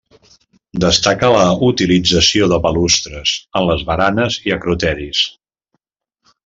Destaca la utilització de balustres en les baranes i acroteris.